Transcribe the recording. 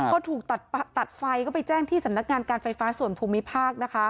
ก็ถูกตัดไฟก็ไปแจ้งที่สำนักงานการไฟฟ้าส่วนภูมิภาคนะคะ